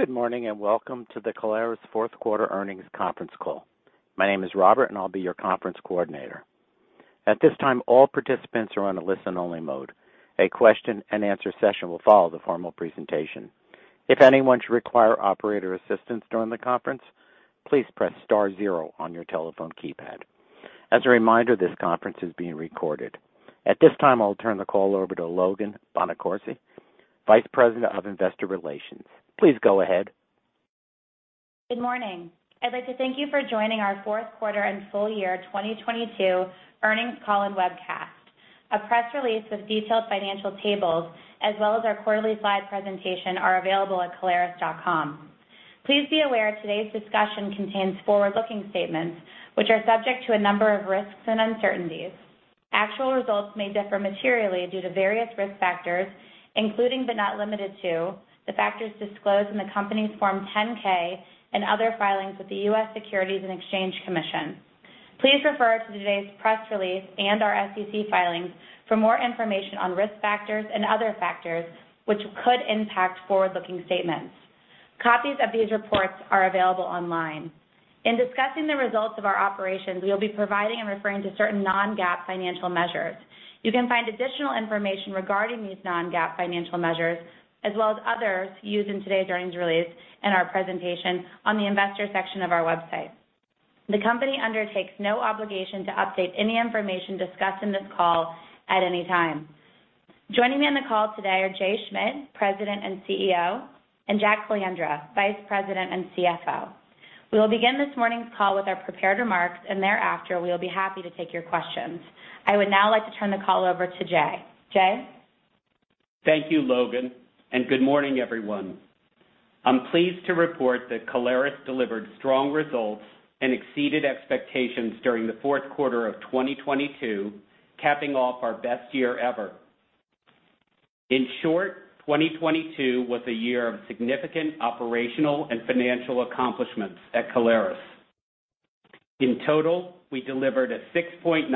Good morning, and welcome to the Caleres Fourth Quarter Earnings Conference Call. My name is Robert, and I'll be your conference coordinator. At this time, all participants are on a listen-only mode. A question-and-answer session will follow the formal presentation. If anyone should require operator assistance during the conference, please press star zero on your telephone keypad. As a reminder, this conference is being recorded. At this time, I'll turn the call over to Logan Bonacorsi, Vice President of Investor Relations. Please go ahead. Good morning. I'd like to thank you for joining our Fourth Quarter and Full Year 2022 Earnings Call and Webcast. A press release with detailed financial tables as well as our quarterly slide presentation are available at caleres.com. Please be aware today's discussion contains forward-looking statements which are subject to a number of risks and uncertainties. Actual results may differ materially due to various risk factors, including but not limited to the factors disclosed in the company's Form 10-K and other filings with the U.S. Securities and Exchange Commission. Please refer to today's press release and our SEC filings for more information on risk factors and other factors which could impact forward-looking statements. Copies of these reports are available online. In discussing the results of our operations, we will be providing and referring to certain non-GAAP financial measures. You can find additional information regarding these non-GAAP financial measures, as well as others used in today's earnings release and our presentation on the investor section of our website. The company undertakes no obligation to update any information discussed in this call at any time. Joining me on the call today are Jay Schmidt, President and CEO, and Jack Calandra, Vice President and CFO. Thereafter we'll be happy to take your questions. I would now like to turn the call over to Jay. Jay? Thank you, Logan, good morning, everyone. I'm pleased to report that Caleres delivered strong results and exceeded expectations during the fourth quarter of 2022, capping off our best year ever. In short, 2022 was a year of significant operational and financial accomplishments at Caleres. In total, we delivered a 6.9%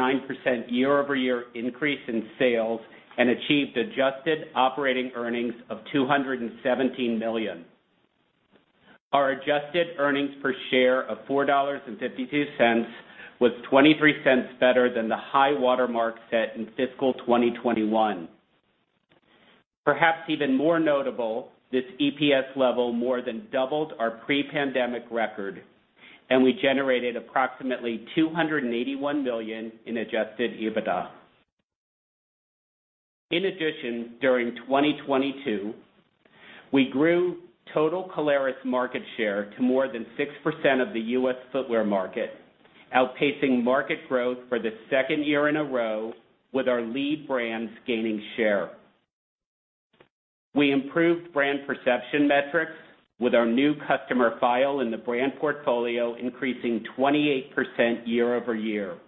year-over-year increase in sales and achieved adjusted operating earnings of $217 million. Our adjusted earnings per share of $4.52 was $0.23 better than the high watermark set in fiscal 2021. Perhaps even more notable, this EPS level more than doubled our pre-pandemic record, we generated approximately $281 million in Adjusted EBITDA. During 2022, we grew total Caleres market share to more than 6% of the U.S. footwear market, outpacing market growth for the second year in a row with our lead brands gaining share. We improved brand perception metrics with our new customer file in the Brand Portfolio increasing 28% year-over-year.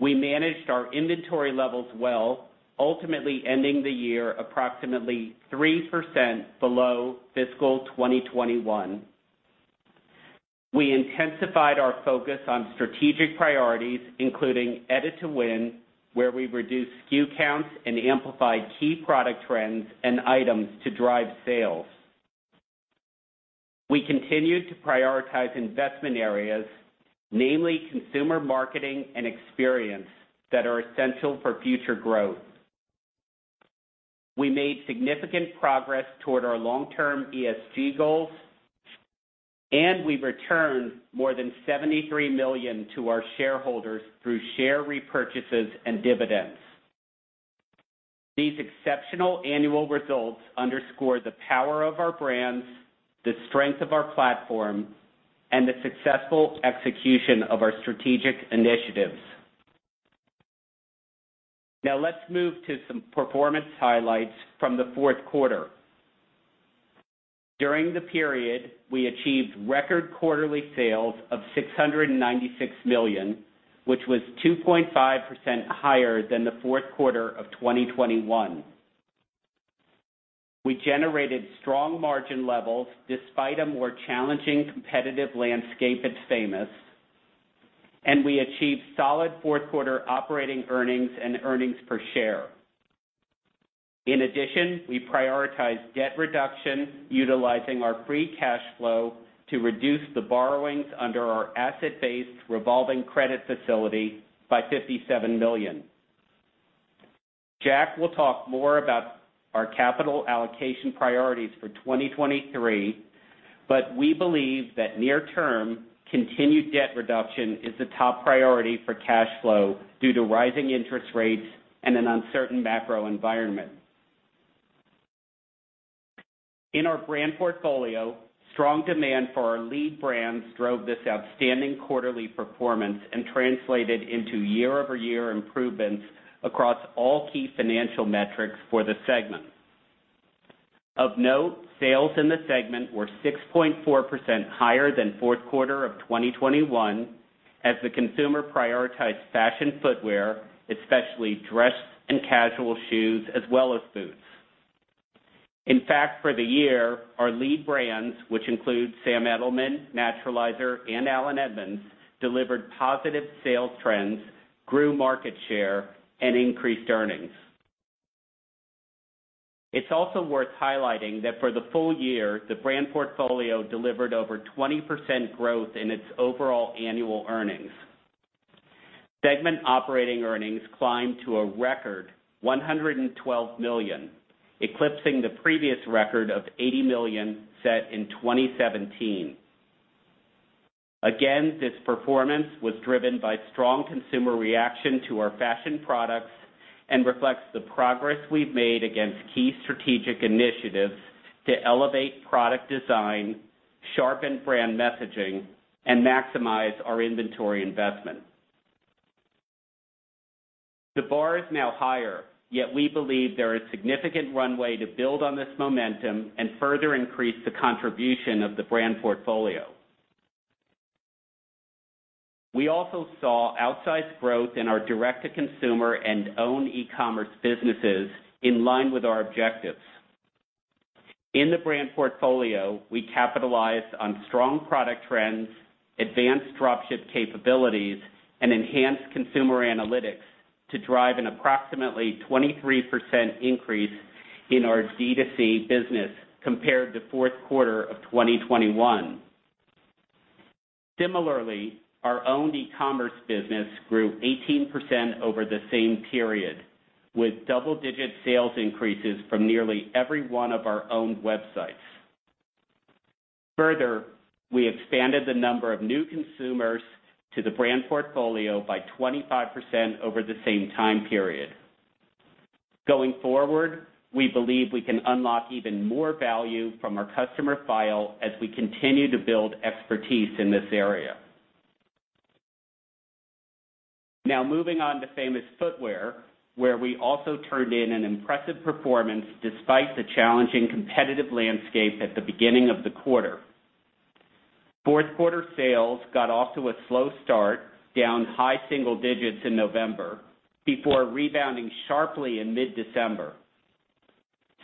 We managed our inventory levels well, ultimately ending the year approximately 3% below fiscal 2021. We intensified our focus on strategic priorities, including Edit to Win, where we reduced SKU counts and amplified key product trends and items to drive sales. We continued to prioritize investment areas, namely consumer marketing and experience that are essential for future growth. We made significant progress toward our long-term ESG goals. We returned more than $73 million to our shareholders through share repurchases and dividends. These exceptional annual results underscore the power of our brands, the strength of our platform, and the successful execution of our strategic initiatives. Let's move to some performance highlights from the fourth quarter. During the period, we achieved record quarterly sales of $696 million, which was 2.5% higher than the fourth quarter of 2021. We generated strong margin levels despite a more challenging competitive landscape at Famous, and we achieved solid fourth quarter operating earnings and earnings per share. In addition, we prioritized debt reduction, utilizing our free cash flow to reduce the borrowings under our asset-based revolving credit facility by $57 million. Jack will talk more about our capital allocation priorities for 2023, but we believe that near term continued debt reduction is a top priority for cash flow due to rising interest rates and an uncertain macro environment. In our Brand Portfolio, strong demand for our lead brands drove this outstanding quarterly performance and translated into year-over-year improvements across all key financial metrics for the segment. Of note, sales in the segment were 6.4% higher than fourth quarter of 2021 as the consumer prioritized fashion footwear, especially dress and casual shoes as well as boots. In fact, for the year, our lead brands, which include Sam Edelman, Naturalizer, and Allen Edmonds, delivered positive sales trends, grew market share, and increased earnings. It's also worth highlighting that for the full year, the Brand Portfolio delivered over 20% growth in its overall annual earnings. Segment operating earnings climbed to a record $112 million, eclipsing the previous record of $80 million set in 2017. This performance was driven by strong consumer reaction to our fashion products and reflects the progress we've made against key strategic initiatives to elevate product design, sharpen brand messaging, and maximize our inventory investment. The bar is now higher, yet we believe there is significant runway to build on this momentum and further increase the contribution of the brand portfolio. We also saw outsized growth in our direct-to-consumer and own e-commerce businesses in line with our objectives. In the brand portfolio, we capitalized on strong product trends, advanced dropship capabilities, and enhanced consumer analytics to drive an approximately 23% increase in our D2C business compared to fourth quarter of 2021. Similarly, our own e-commerce business grew 18% over the same period, with double-digit sales increases from nearly every one of our own websites. Further, we expanded the number of new consumers to the Brand Portfolio by 25% over the same time period. Going forward, we believe we can unlock even more value from our customer file as we continue to build expertise in this area. Now, moving on to Famous Footwear, where we also turned in an impressive performance despite the challenging competitive landscape at the beginning of the quarter. Fourth quarter sales got off to a slow start, down high single digits in November, before rebounding sharply in mid-December.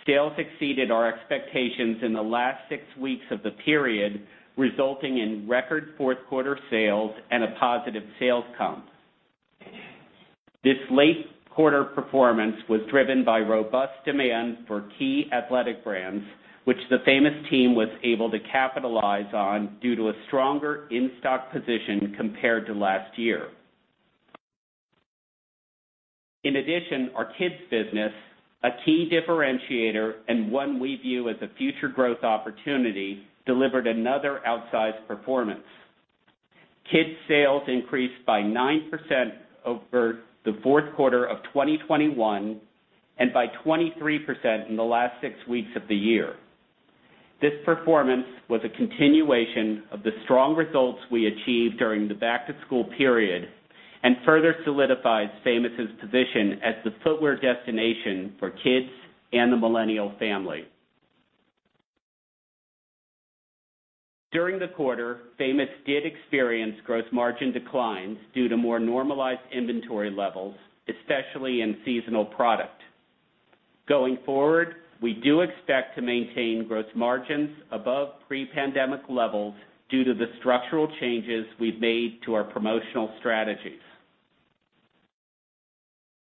Sales exceeded our expectations in the last six weeks of the period, resulting in record fourth quarter sales and a positive sales count. This late quarter performance was driven by robust demand for key athletic brands, which the Famous team was able to capitalize on due to a stronger in-stock position compared to last year. Our kids business, a key differentiator and one we view as a future growth opportunity, delivered another outsized performance. Kids sales increased by 9% over the fourth quarter of 2021 and by 23% in the last six weeks of the year. This performance was a continuation of the strong results we achieved during the back-to-school period and further solidifies Famous's position as the footwear destination for kids and the millennial family. During the quarter, Famous did experience gross margin declines due to more normalized inventory levels, especially in seasonal product. Going forward, we do expect to maintain gross margins above pre-pandemic levels due to the structural changes we've made to our promotional strategies.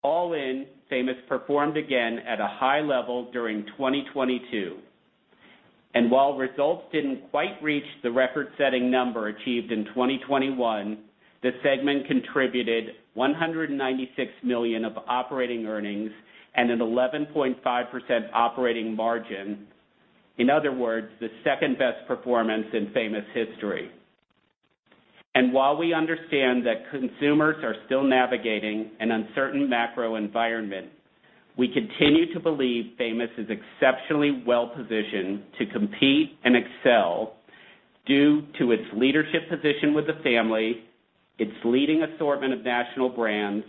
All in, Famous performed again at a high level during 2022. While results didn't quite reach the record-setting number achieved in 2021, the segment contributed $196 million of operating earnings and an 11.5% operating margin. In other words, the second-best performance in Famous history. While we understand that consumers are still navigating an uncertain macro environment, we continue to believe Famous is exceptionally well positioned to compete and excel due to its leadership position with the family, its leading assortment of national brands,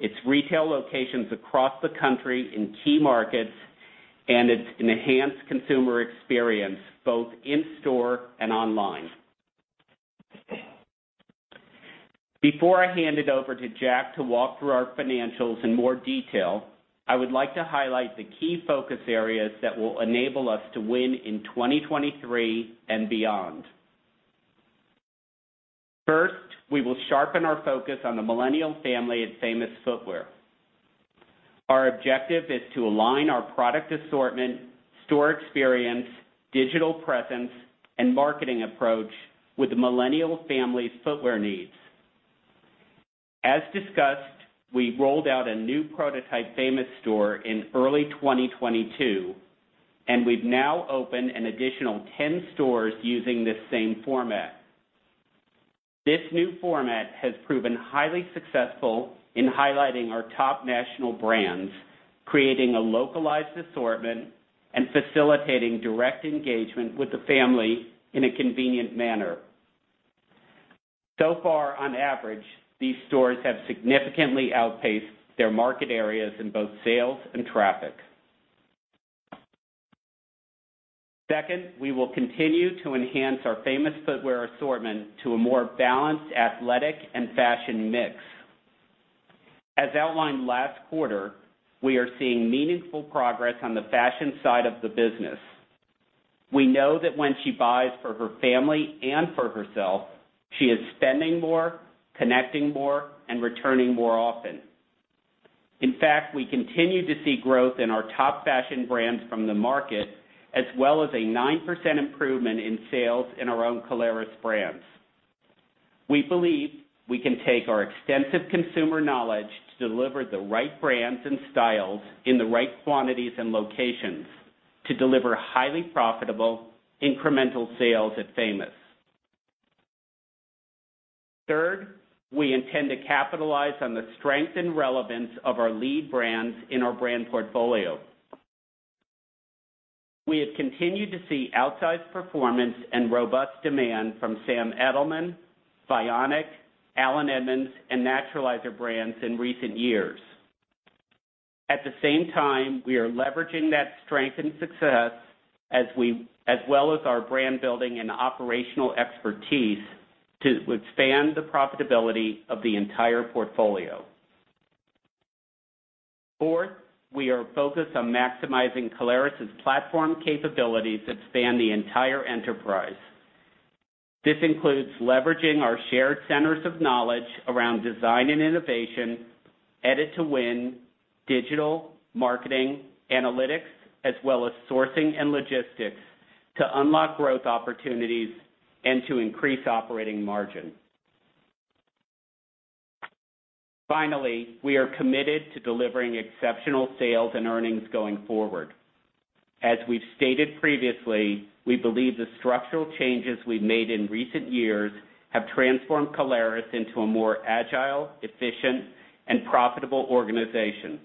its retail locations across the country in key markets, and its enhanced consumer experience, both in store and online. Before I hand it over to Jack to walk through our financials in more detail, I would like to highlight the key focus areas that will enable us to win in 2023 and beyond. First, we will sharpen our focus on the millennial family at Famous Footwear. Our objective is to align our product assortment, store experience, digital presence, and marketing approach with the millennial family's footwear needs. As discussed, we rolled out a new prototype Famous store in early 2022, and we've now opened an additional 10 stores using this same format. This new format has proven highly successful in highlighting our top national brands, creating a localized assortment, and facilitating direct engagement with the family in a convenient manner. Far, on average, these stores have significantly outpaced their market areas in both sales and traffic. Second, we will continue to enhance our Famous Footwear assortment to a more balanced athletic and fashion mix. As outlined last quarter, we are seeing meaningful progress on the fashion side of the business. We know that when she buys for her family and for herself, she is spending more, connecting more, and returning more often. In fact, we continue to see growth in our top fashion brands from the market, as well as a 9% improvement in sales in our own Caleres brands. We believe we can take our extensive consumer knowledge to deliver the right brands and styles in the right quantities and locations to deliver highly profitable incremental sales at Famous. We intend to capitalize on the strength and relevance of our lead brands in our brand portfolio. We have continued to see outsized performance and robust demand from Sam Edelman, Vionic, Allen Edmonds, and Naturalizer brands in recent years. We are leveraging that strength and success as well as our brand building and operational expertise to expand the profitability of the entire portfolio. We are focused on maximizing Caleres' platform capabilities that span the entire enterprise. This includes leveraging our shared centers of knowledge around design and innovation, Edit to Win, digital, marketing, analytics, as well as sourcing and logistics to unlock growth opportunities and to increase operating margin. Finally, we are committed to delivering exceptional sales and earnings going forward. As we've stated previously, we believe the structural changes we've made in recent years have transformed Caleres into a more agile, efficient, and profitable organization.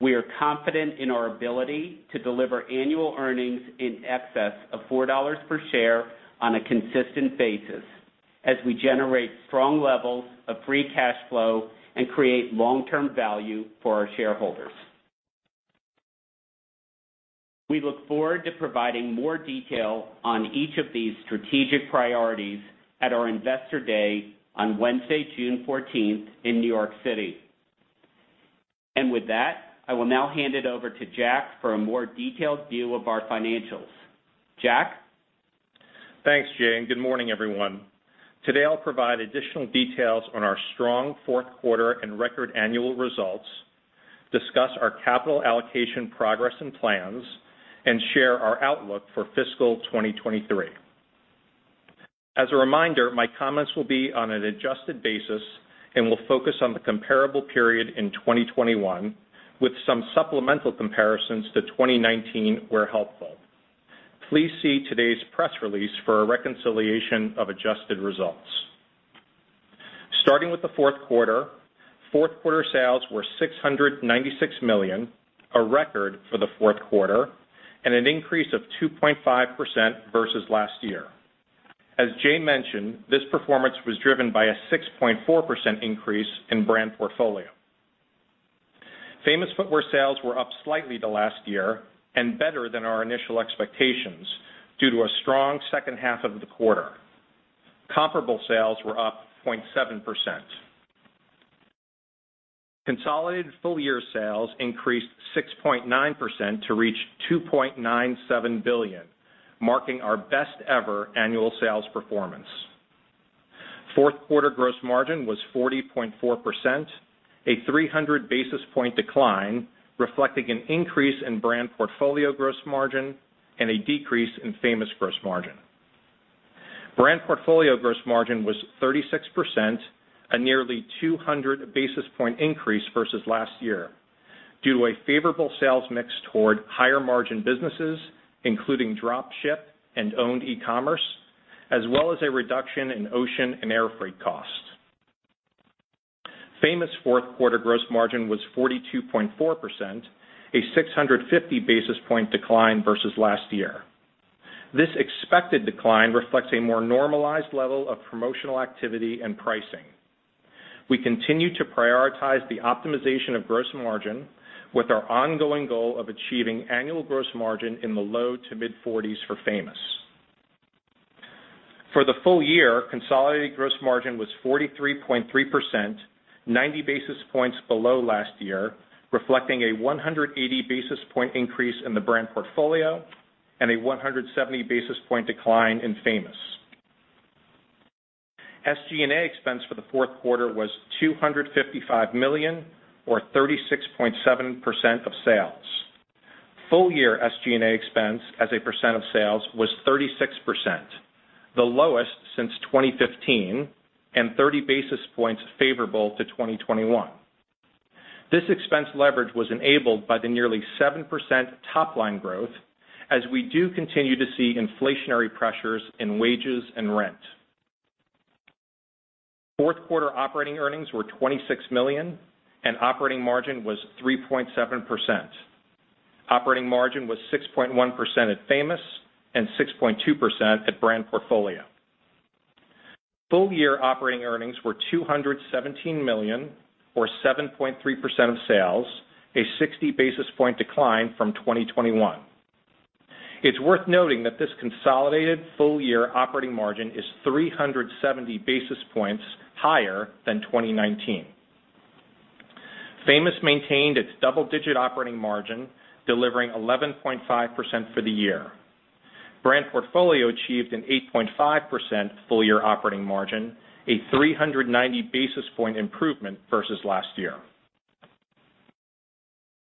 We are confident in our ability to deliver annual earnings in excess of $4 per share on a consistent basis as we generate strong levels of free cash flow and create long-term value for our shareholders. We look forward to providing more detail on each of these strategic priorities at our Investor Day on Wednesday, June 14th in New York City. With that, I will now hand it over to Jack for a more detailed view of our financials. Jack? Thanks, Jay. Good morning, everyone. Today, I'll provide additional details on our strong fourth quarter and record annual results, discuss our capital allocation progress and plans, and share our outlook for fiscal 2023. As a reminder, my comments will be on an adjusted basis and will focus on the comparable period in 2021 with some supplemental comparisons to 2019 where helpful. Please see today's press release for a reconciliation of adjusted results. Starting with the fourth quarter, fourth quarter sales were $696 million, a record for the fourth quarter, and an increase of 2.5% versus last year. As Jay mentioned, this performance was driven by a 6.4% increase in Brand Portfolio. Famous Footwear sales were up slightly to last year and better than our initial expectations due to a strong second half of the quarter. Comparable sales were up 0.7%. Consolidated full-year sales increased 6.9% to reach $2.97 billion, marking our best ever annual sales performance. Fourth quarter gross margin was 40.4%, a 300 basis point decline, reflecting an increase in Brand Portfolio gross margin and a decrease in Famous gross margin. Brand Portfolio gross margin was 36%, a nearly 200 basis point increase versus last year due to a favorable sales mix toward higher margin businesses, including dropship and owned e-commerce, as well as a reduction in ocean and air freight costs. Famous fourth quarter gross margin was 42.4%, a 650 basis point decline versus last year. This expected decline reflects a more normalized level of promotional activity and pricing. We continue to prioritize the optimization of gross margin with our ongoing goal of achieving annual gross margin in the low to mid-40s for Famous. For the full year, consolidated gross margin was 43.3%, 90 basis points below last year, reflecting a 180 basis point increase in the Brand Portfolio and a 170 basis point decline in Famous. SG&A expense for the fourth quarter was $255 million or 36.7% of sales. Full year SG&A expense as a percent of sales was 36%, the lowest since 2015, 30 basis points favorable to 2021. This expense leverage was enabled by the nearly 7% top line growth as we do continue to see inflationary pressures in wages and rent. Fourth quarter operating earnings were $26 million and operating margin was 3.7%. Operating margin was 6.1% at Famous and 6.2% at Brand Portfolio. Full year operating earnings were $217 million or 7.3% of sales, a 60 basis point decline from 2021. It's worth noting that this consolidated full year operating margin is 370 basis points higher than 2019. Famous maintained its double-digit operating margin, delivering 11.5% for the year. Brand Portfolio achieved an 8.5% full-year operating margin, a 390 basis point improvement versus last year.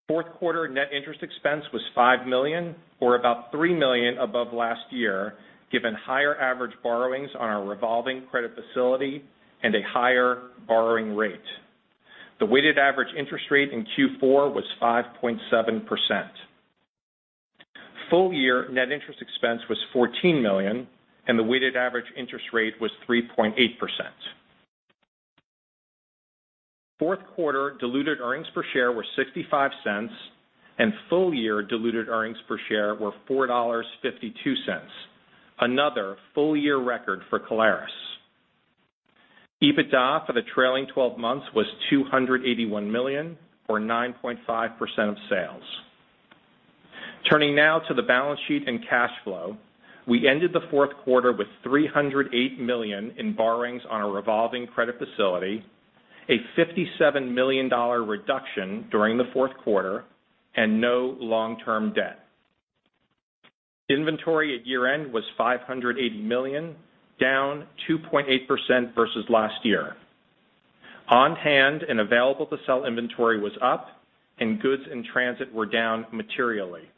Fourth quarter net interest expense was $5 million, or about $3 million above last year, given higher average borrowings on our revolving credit facility and a higher borrowing rate. The weighted average interest rate in Q4 was 5.7%. Full-year net interest expense was $14 million, and the weighted average interest rate was 3.8%. Fourth quarter diluted earnings per share were $0.65, and full-year diluted earnings per share were $4.52, another full-year record for Caleres. EBITDA for the trailing 12 months was $281 million, or 9.5% of sales. Turning now to the balance sheet and cash flow. We ended the fourth quarter with $308 million in borrowings on our revolving credit facility, a $57 million reduction during the fourth quarter, and no long-term debt. Inventory at year-end was $580 million, down 2.8% versus last year. On hand and available to sell inventory was up, and goods in transit were down materially.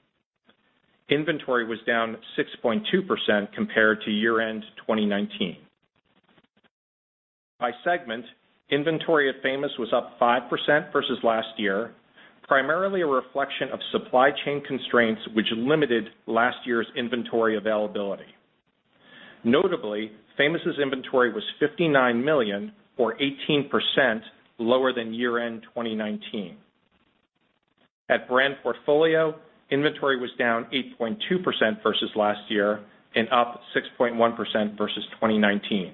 Inventory was down 6.2% compared to year-end 2019. By segment, inventory at Famous was up 5% versus last year, primarily a reflection of supply chain constraints which limited last year's inventory availability. Notably, Famous' inventory was $59 million or 18% lower than year-end 2019. At Brand Portfolio, inventory was down 8.2% versus last year and up 6.1% versus 2019.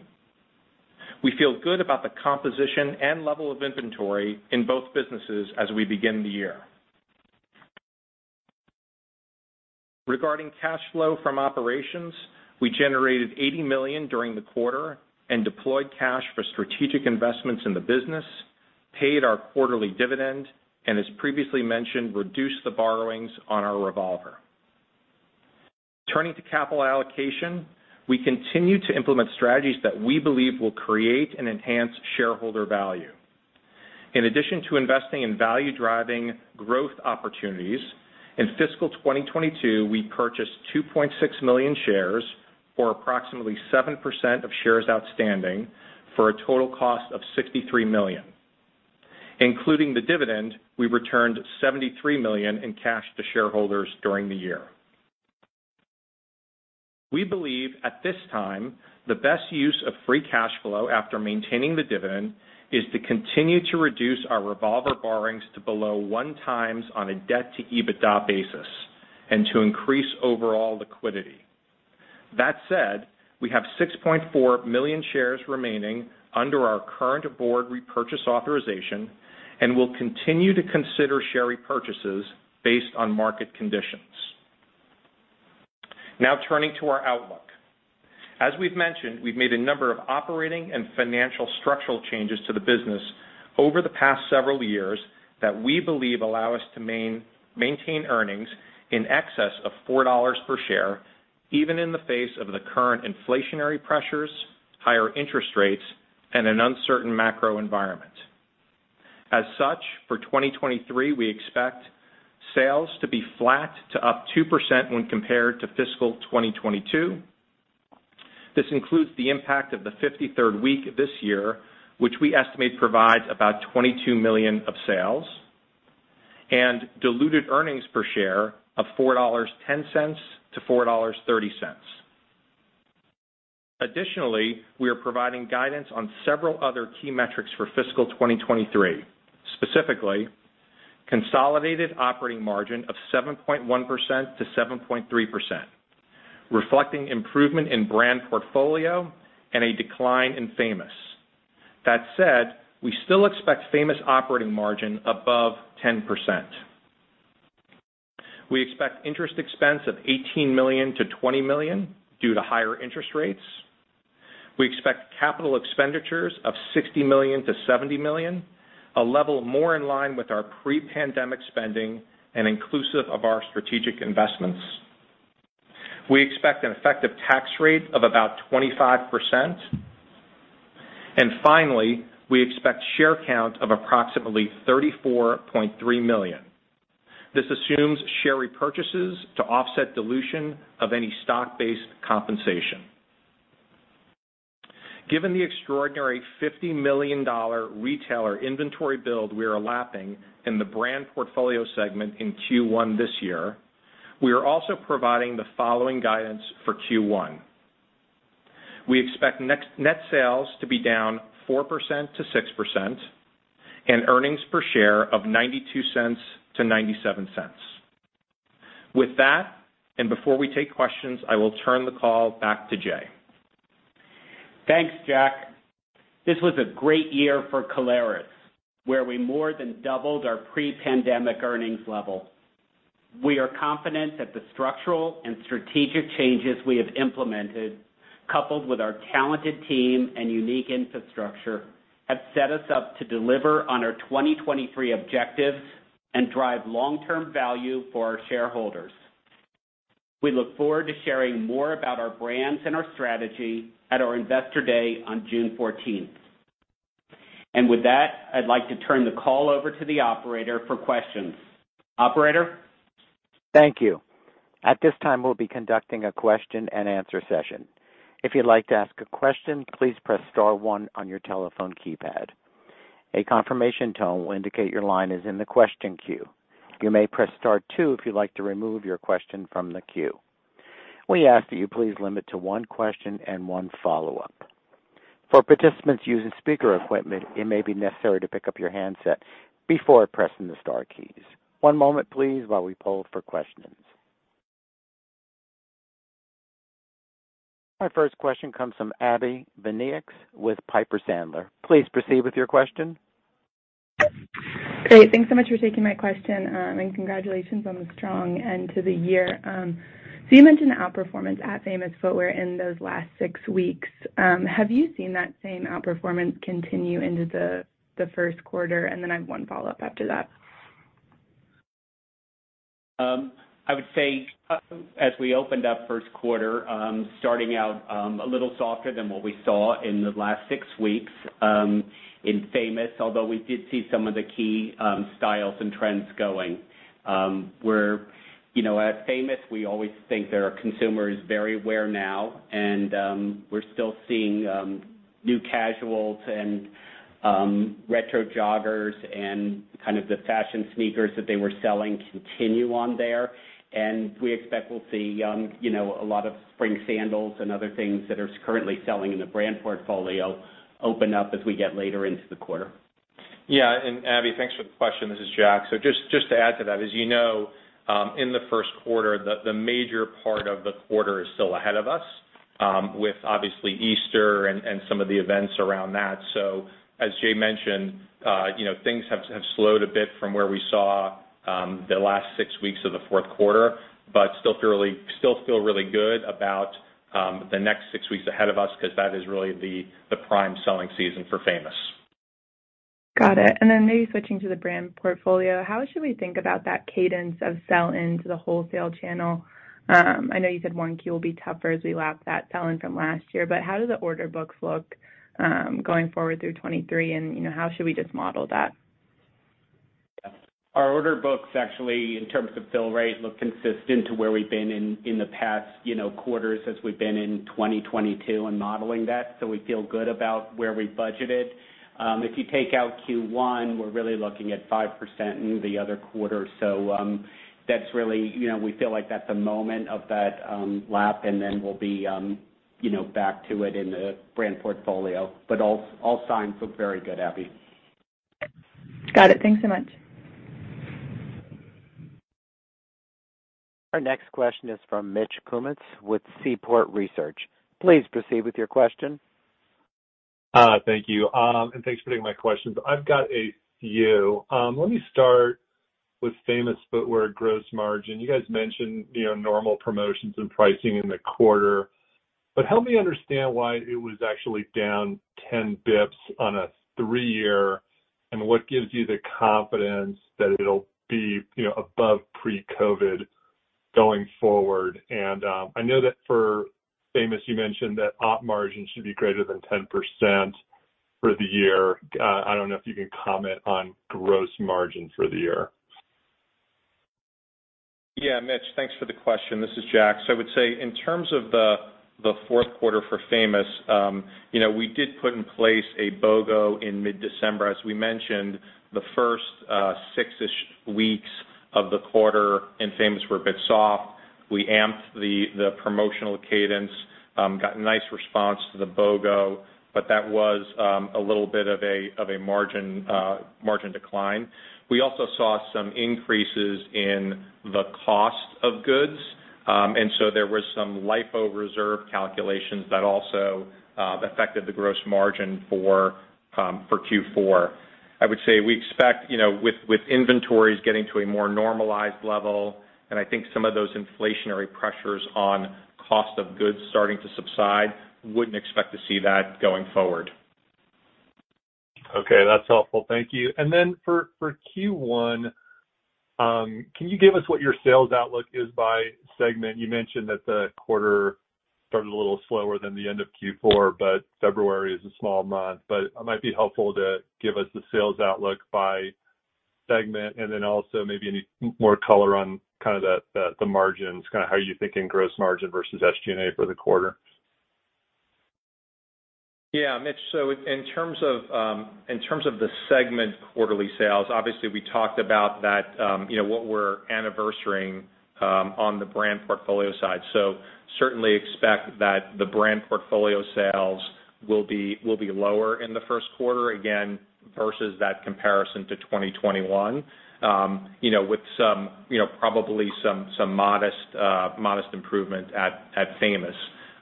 We feel good about the composition and level of inventory in both businesses as we begin the year. Regarding cash flow from operations, we generated $80 million during the quarter and deployed cash for strategic investments in the business, paid our quarterly dividend, and as previously mentioned, reduced the borrowings on our revolver. Turning to capital allocation, we continue to implement strategies that we believe will create and enhance shareholder value. In addition to investing in value-driving growth opportunities, in fiscal 2022, we purchased 2.6 million shares, or approximately 7% of shares outstanding for a total cost of $63 million. Including the dividend, we returned $73 million in cash to shareholders during the year. We believe at this time, the best use of free cash flow after maintaining the dividend is to continue to reduce our revolver borrowings to below 1x on a debt-to-EBITDA basis and to increase overall liquidity. That said, we have 6.4 million shares remaining under our current board repurchase authorization and will continue to consider share repurchases based on market conditions. Now turning to our outlook. As we've mentioned, we've made a number of operating and financial structural changes to the business over the past several years that we believe allow us to maintain earnings in excess of $4 per share, even in the face of the current inflationary pressures, higher interest rates, and an uncertain macro environment. For 2023, we expect sales to be flat to up 2% when compared to fiscal 2022. This includes the impact of the 53rd week this year, which we estimate provides about $22 million of sales and diluted earnings per share of $4.10-$4.30. We are providing guidance on several other key metrics for fiscal 2023. Specifically, consolidated operating margin of 7.1%-7.3%, reflecting improvement in Brand Portfolio and a decline in Famous. That said, we still expect Famous operating margin above 10%. We expect interest expense of $18 million-$20 million due to higher interest rates. We expect capital expenditures of $60 million-$70 million, a level more in line with our pre-pandemic spending and inclusive of our strategic investments. We expect an effective tax rate of about 25%. Finally, we expect share count of approximately 34.3 million. This assumes share repurchases to offset dilution of any stock-based compensation. Given the extraordinary $50 million retailer inventory build we are lapping in the Brand Portfolio segment in Q1 this year, we are also providing the following guidance for Q1. We expect net sales to be down 4%-6% and earnings per share of $0.92-$0.97. With that, and before we take questions, I will turn the call back to Jay. Thanks, Jack. This was a great year for Caleres, where we more than doubled our pre-pandemic earnings level. We are confident that the structural and strategic changes we have implemented, coupled with our talented team and unique infrastructure, have set us up to deliver on our 2023 objectives and drive long-term value for our shareholders. We look forward to sharing more about our brands and our strategy at our Investor Day on June 14th. With that, I'd like to turn the call over to the operator for questions. Operator? Thank you. At this time, we'll be conducting a question-and-answer session. If you'd like to ask a question, please press star one on your telephone keypad. A confirmation tone will indicate your line is in the question queue. You may press star two if you'd like to remove your question from the queue. We ask that you please limit to one question and one follow-up. For participants using speaker equipment, it may be necessary to pick up your handset before pressing the star keys. One moment please while we poll for questions. Our first question comes from Abbie Zvejnieks with Piper Sandler. Please proceed with your question. Great. Thanks so much for taking my question and congratulations on the strong end to the year. You mentioned outperformance at Famous Footwear in those last six weeks. Have you seen that same outperformance continue into the first quarter? I have one follow-up after that. I would say, as we opened up first quarter, starting out a little softer than what we saw in the last six weeks in Famous, although we did see some of the key styles and trends going. You know, at Famous, we always think that our consumer is very aware now, and we're still seeing new casuals and retro joggers and kind of the fashion sneakers that they were selling continue on there. We expect we'll see, you know, a lot of spring sandals and other things that are currently selling in the Brand Portfolio open up as we get later into the quarter. Yeah. Abbie, thanks for the question. This is Jack. Just to add to that. As you know, in the first quarter, the major part of the quarter is still ahead of us, with obviously Easter and some of the events around that. As Jay mentioned, you know, things have slowed a bit from where we saw the last six weeks of the fourth quarter, but still feel really good about the next six weeks ahead of us because that is really the prime selling season for Famous. Got it. Maybe switching to the Brand Portfolio. How should we think about that cadence of sell into the wholesale channel? I know you said 1Q will be tougher as we lap that sell-in from last year, how do the order books look going forward through 2023 and, you know, how should we just model that? Our order books actually in terms of fill rate look consistent to where we've been in the past, you know, quarters as we've been in 2022 and modeling that. We feel good about where we budgeted. If you take out Q1, we're really looking at 5% in the other quarters. That's really, you know, we feel like that's a moment of that lap and then we'll be, you know, back to it in the brand portfolio. All signs look very good, Abbie. Got it. Thanks so much. Our next question is from Mitch Kummetz with Seaport Research. Please proceed with your question. Thank you. Thanks for taking my questions. I've got a few. Let me start with Famous Footwear gross margin. You guys mentioned, you know, normal promotions and pricing in the quarter, but help me understand why it was actually down 10 basis points on a three-year, and what gives you the confidence that it'll be, you know, above pre-COVID going forward. I know that for Famous, you mentioned that op margin should be greater than 10% for the year. I don't know if you can comment on gross margin for the year. Yeah, Mitch, thanks for the question. This is Jack. I would say in terms of the fourth quarter for Famous, you know, we did put in place a BOGO in mid-December. As we mentioned, the first six-ish weeks of the quarter in Famous were a bit soft. We amped the promotional cadence, got nice response to the BOGO, but that was a margin decline. We also saw some increases in the cost of goods, there was some LIFO reserve calculations that also affected the gross margin for Q4. I would say we expect, you know, with inventories getting to a more normalized level, and I think some of those inflationary pressures on cost of goods starting to subside, wouldn't expect to see that going forward. Okay. That's helpful. Thank you. For Q1, can you give us what your sales outlook is by segment? You mentioned that the quarter started a little slower than the end of Q4, but February is a small month. It might be helpful to give us the sales outlook by segment and then also maybe any more color on kind of the margins, kind of how you're thinking gross margin versus SG&A for the quarter. Mitch. In terms of, in terms of the segment quarterly sales, obviously we talked about that, you know, what we're anniversarying, on the Brand Portfolio side. Certainly expect that the Brand Portfolio sales will be lower in the first quarter again versus that comparison to 2021, you know, with some, you know, probably some modest improvement at Famous.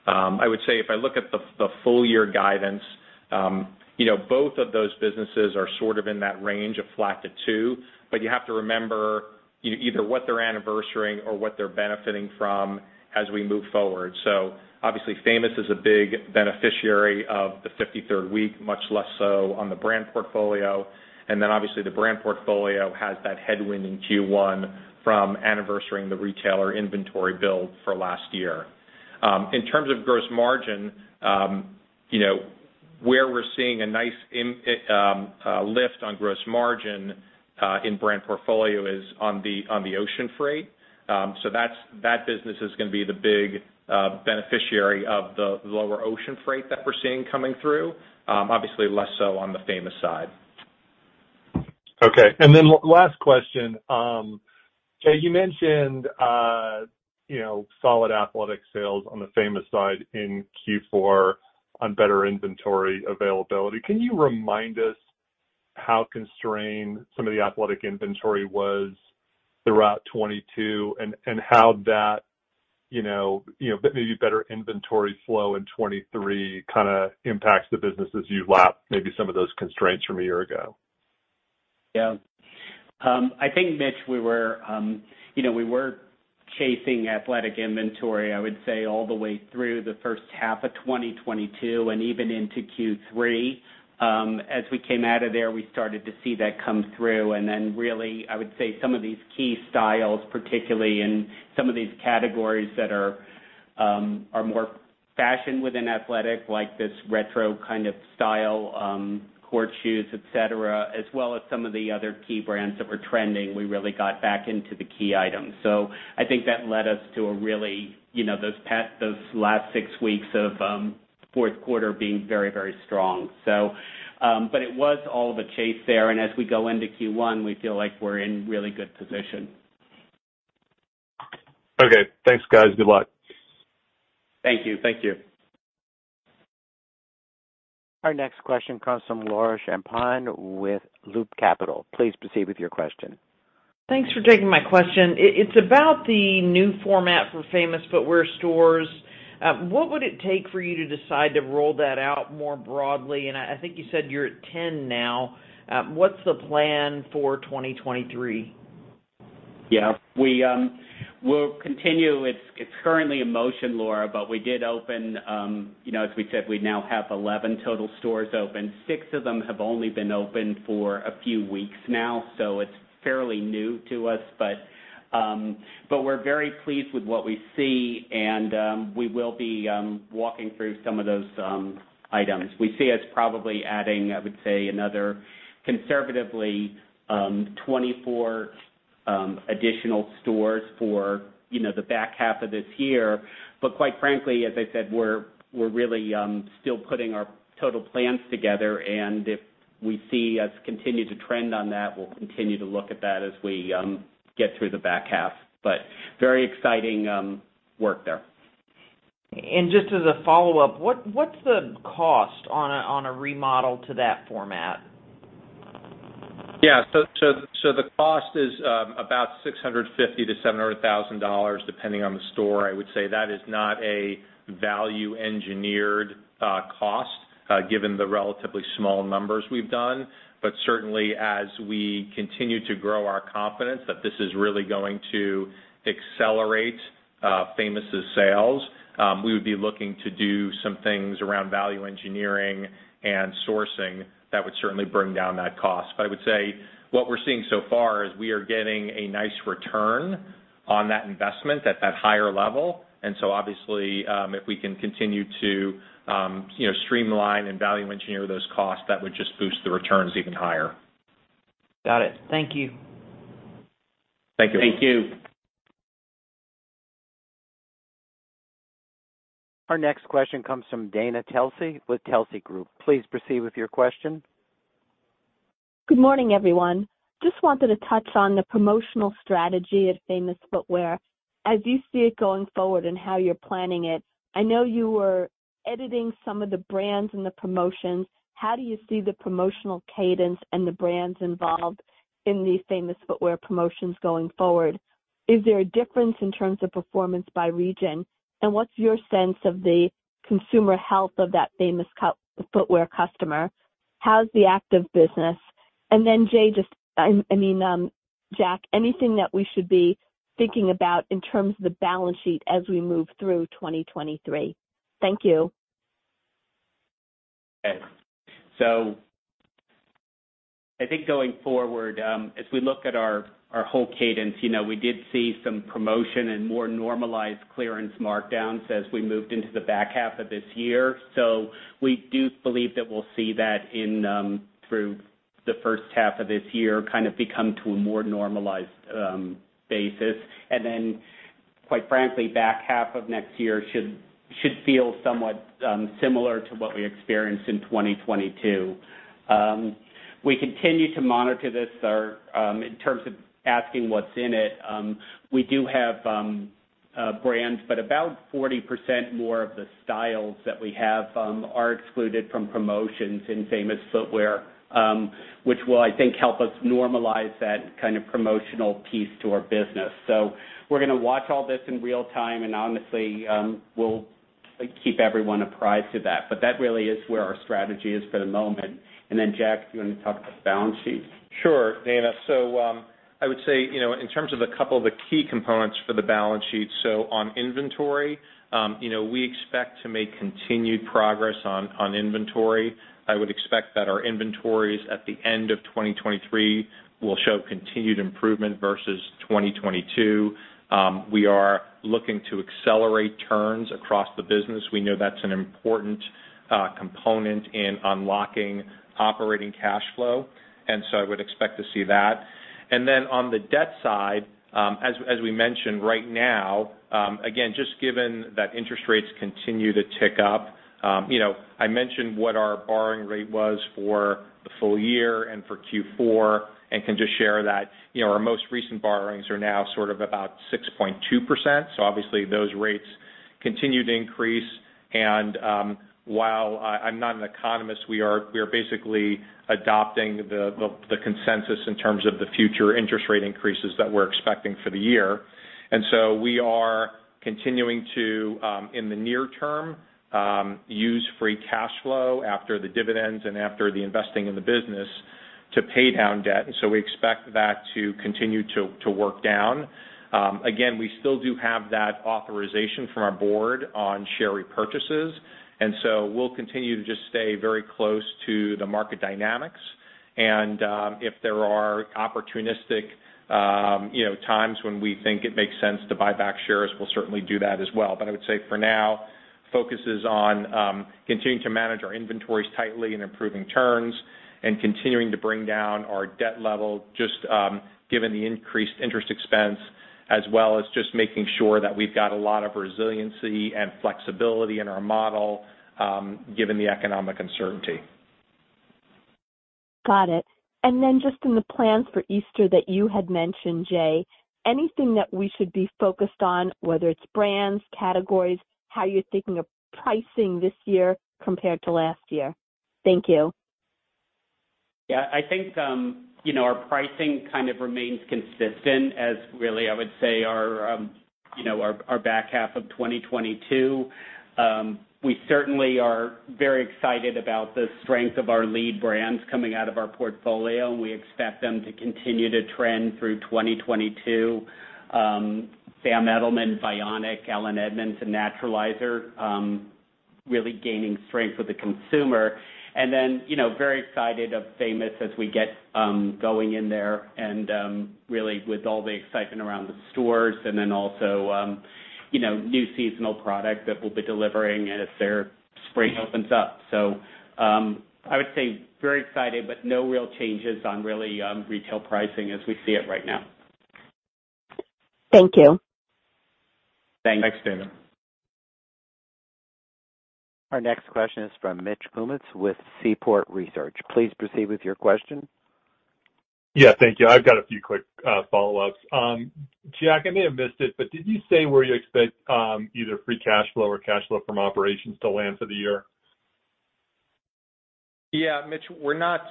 I would say if I look at the full year guidance, you know, both of those businesses are sort of in that range of flat to 2%. You have to remember either what they're anniversarying or what they're benefiting from as we move forward. Obviously, Famous is a big beneficiary of the 53rd week, much less so on the Brand Portfolio. Obviously, the Brand Portfolio has that headwind in Q1 from anniversarying the retailer inventory build for last year. In terms of gross margin, you know, where we're seeing a nice lift on gross margin in Brand Portfolio is on the ocean freight. That business is gonna be the big beneficiary of the lower ocean freight that we're seeing coming through, obviously less so on the Famous side. Last question. You mentioned, you know, solid athletic sales on the Famous side in Q4 on better inventory availability. Can you remind us how constrained some of the athletic inventory was throughout 2022 and how that, you know, maybe better inventory flow in 2023 kinda impacts the business as you lap maybe some of those constraints from a year ago? Yeah. I think, Mitch, we were, you know, we were chasing athletic inventory, I would say all the way through the first half of 2022 and even into Q3. As we came out of there, we started to see that come through. Then really, I would say some of these key styles, particularly in some of these categories that are more fashion within athletic, like this retro kind of style, court shoes, et cetera, as well as some of the other key brands that were trending, we really got back into the key items. I think that led us to a really, you know, those last six weeks of fourth quarter being very, very strong. It was all of a chase there, and as we go into Q1, we feel like we're in really good position. Okay. Thanks, guys. Good luck. Thank you. Thank you. Our next question comes from Laura Champine with Loop Capital. Please proceed with your question. Thanks for taking my question. It's about the new format for Famous Footwear stores. What would it take for you to decide to roll that out more broadly? I think you said you're at 10 now. What's the plan for 2023? Yeah. We, we'll continue. It's, it's currently in motion, Laura, but we did open, you know, as we said, we now have 11 total stores open. Six of them have only been open for a few weeks now, so it's fairly new to us. We're very pleased with what we see and we will be walking through some of those items. We see us probably adding, I would say, another conservatively, 24 additional stores for, you know, the back half of this year. Quite frankly, as I said, we're really still putting our total plans together, and if we see us continue to trend on that, we'll continue to look at that as we get through the back half. Very exciting work there. Just as a follow-up, what's the cost on a remodel to that format? Yeah. The cost is about $650,000-$700,000, depending on the store. I would say that is not a value engineered cost given the relatively small numbers we've done. Certainly, as we continue to grow our confidence that this is really going to accelerate Famous' sales, we would be looking to do some things around value engineering and sourcing that would certainly bring down that cost. I would say what we're seeing so far is we are getting a nice return on that investment at that higher level. Obviously, if we can continue to, you know, streamline and value engineer those costs, that would just boost the returns even higher. Got it. Thank you. Thank you. Thank you. Our next question comes from Dana Telsey with Telsey Group. Please proceed with your question. Good morning, everyone. Just wanted to touch on the promotional strategy at Famous Footwear as you see it going forward and how you're planning it. I know you were editing some of the brands and the promotions. How do you see the promotional cadence and the brands involved in these Famous Footwear promotions going forward? Is there a difference in terms of performance by region? What's your sense of the consumer health of that Famous Footwear customer? How's the active business? And then Jay, I mean, Jack, anything that we should be thinking about in terms of the balance sheet as we move through 2023? Thank you. Okay. I think going forward, as we look at our whole cadence, you know, we did see some promotion and more normalized clearance markdowns as we moved into the back half of this year. We do believe that we'll see that in through the first half of this year, kind of become to a more normalized basis. Then, quite frankly, back half of next year should feel somewhat similar to what we experienced in 2022. We continue to monitor this. Our, in terms of asking what's in it, we do have brands, but about 40% more of the styles that we have, are excluded from promotions in Famous Footwear, which will, I think, help us normalize that kind of promotional piece to our business. We're gonna watch all this in real time, and honestly, we'll, like, keep everyone apprised to that. That really is where our strategy is for the moment. Jack, do you wanna talk about the balance sheet? I would say, you know, in terms of a couple of the key components for the balance sheet, so on inventory, you know, we expect to make continued progress on inventory. I would expect that our inventories at the end of 2023 will show continued improvement versus 2022. We are looking to accelerate turns across the business. We know that's an important component in unlocking operating cash flow. I would expect to see that. On the debt side, as we mentioned right now, again, just given that interest rates continue to tick up, you know, I mentioned what our borrowing rate was for the full year and for Q4, and can just share that, you know, our most recent borrowings are now sort of about 6.2%. Obviously those rates continue to increase. While I'm not an economist, we are basically adopting the consensus in terms of the future interest rate increases that we're expecting for the year. We are continuing to, in the near term, use free cash flow after the dividends and after the investing in the business to pay down debt. We expect that to continue to work down. Again, we still do have that authorization from our board on share repurchases, and so we'll continue to just stay very close to the market dynamics. If there are opportunistic, you know, times when we think it makes sense to buy back shares, we'll certainly do that as well. I would say for now, focus is on continuing to manage our inventories tightly and improving turns and continuing to bring down our debt level just given the increased interest expense, as well as just making sure that we've got a lot of resiliency and flexibility in our model given the economic uncertainty. Got it. Just in the plans for Easter that you had mentioned, Jay, anything that we should be focused on, whether it's brands, categories, how you're thinking of pricing this year compared to last year? Thank you. Yeah. I think, you know, our pricing kind of remains consistent as really I would say our back half of 2022. We certainly are very excited about the strength of our lead brands coming out of our portfolio, we expect them to continue to trend through 2022. Sam Edelman, Vionic, Allen Edmonds, and Naturalizer really gaining strength with the consumer. You know, very excited of Famous as we get going in there, really with all the excitement around the stores, also, you know, new seasonal product that we'll be delivering as their spring opens up. I would say very excited, no real changes on really retail pricing as we see it right now. Thank you. Thanks. Thanks, Dana. Our next question is from Mitch Kummetz with Seaport Research. Please proceed with your question. Yeah, thank you. I've got a few quick follow-ups. Jack, I may have missed it, but did you say where you expect either free cash flow or cash flow from operations to land for the year? Yeah, Mitch, we're not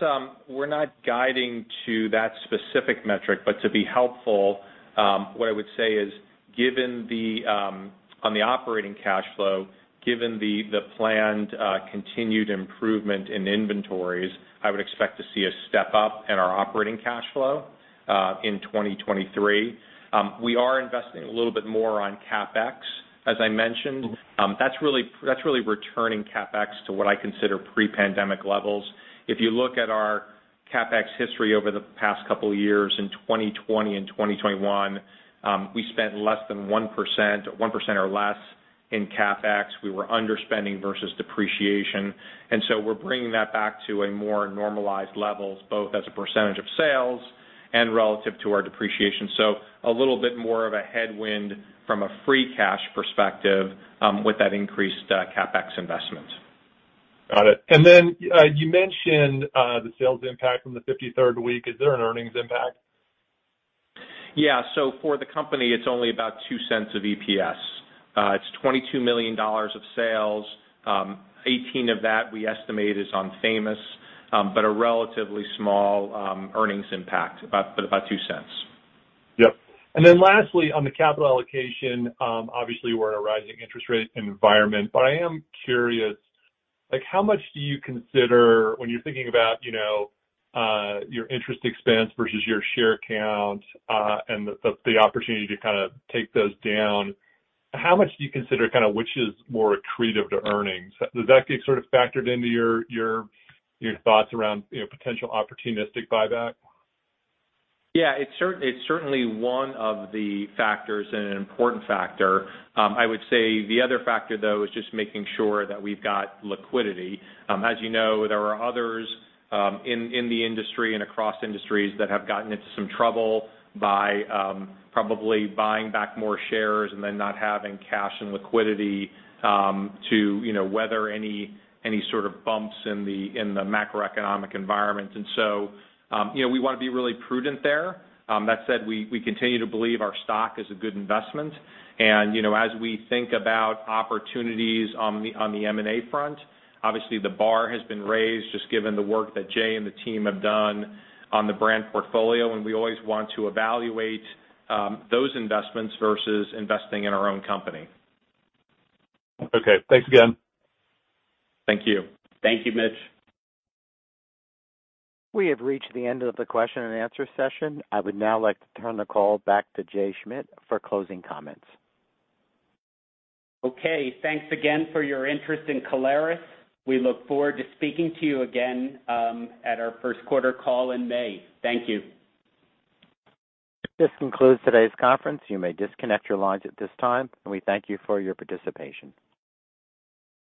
guiding to that specific metric, but to be helpful, what I would say is given the on the operating cash flow, given the planned continued improvement in inventories, I would expect to see a step up in our operating cash flow in 2023. We are investing a little bit more on CapEx, as I mentioned. That's really returning CapEx to what I consider pre-pandemic levels. If you look at our CapEx history over the past couple of years in 2020 and 2021, we spent less than 1%, 1% or less in CapEx. We were underspending versus depreciation. We're bringing that back to a more normalized levels, both as a percentage of sales and relative to our depreciation. A little bit more of a headwind from a free cash perspective, with that increased CapEx investment. Got it. You mentioned the sales impact from the 53rd week. Is there an earnings impact? Yeah. For the company, it's only about $0.02 of EPS. It's $22 million of sales. 18 of that we estimate is on Famous, but a relatively small earnings impact, about $0.02. Yep. Lastly, on the capital allocation, obviously we're in a rising interest rate environment, I am curious, like how much do you consider when you're thinking about, you know, your interest expense versus your share count, and the opportunity to kinda take those down, how much do you consider kinda which is more accretive to earnings? Does that get sort of factored into your thoughts around, you know, potential opportunistic buyback? It's certainly one of the factors and an important factor. I would say the other factor though is just making sure that we've got liquidity. As you know, there are others in the industry and across industries that have gotten into some trouble by probably buying back more shares and then not having cash and liquidity to, you know, weather any sort of bumps in the macroeconomic environment. You know, we wanna be really prudent there. That said, we continue to believe our stock is a good investment. And, you know, as we think about opportunities on the, on the M&A front, obviously the bar has been raised just given the work that Jay and the team have done on the brand portfolio, and we always want to evaluate, those investments versus investing in our own company. Okay. Thanks again. Thank you. Thank you, Mitch. We have reached the end of the question-and-answer session. I would now like to turn the call back to Jay Schmidt for closing comments. Okay. Thanks again for your interest in Caleres. We look forward to speaking to you again, at our first quarter call in May. Thank you. This concludes today's conference. You may disconnect your lines at this time. We thank you for your participation.